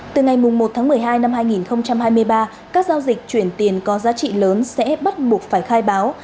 từ ngày một tháng một mươi hai năm hai nghìn hai mươi ba các giao dịch chuyển tiền có giá trị lớn sẽ bắt buộc phải khai báo